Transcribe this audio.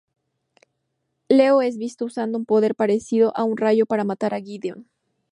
Leo es visto usando un poder parecido a un rayo para matar a Gideon.